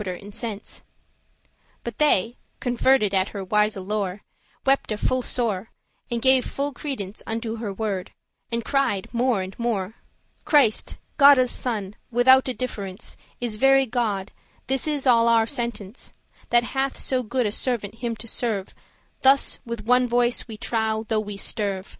* *burn incense to But they, converted at her wise lore,* *teaching Wepte full sore, and gave full credence Unto her word, and cried more and more; "Christ, Godde's Son, withoute difference, Is very God, this is all our sentence,* *opinion That hath so good a servant him to serve Thus with one voice we trowe,* though we sterve.